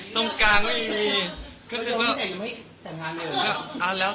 ตรงกลางก็คือยอมครับ